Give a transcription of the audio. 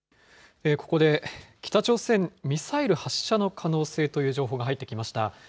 ここで北朝鮮、ミサイル発射の可能性という情報が入ってきました。